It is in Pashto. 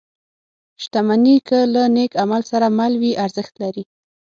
• شتمني که له نېک عمل سره مل وي، ارزښت لري.